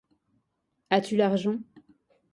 As-tu l'argent?